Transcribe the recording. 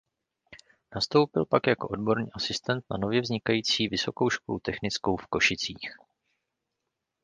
Nastoupil pak jako odborný asistent na nově vznikající Vysokou školu technickou v Košicích.